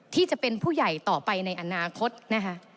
ที่จะเป็นผู้ใหญ่ต่อไปในอนาคตนะคะ